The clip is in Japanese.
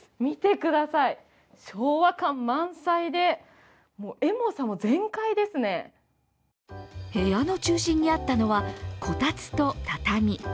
見てください昭和感満載で、エモさも全開ですね部屋の中心にあったのは、こたつと畳。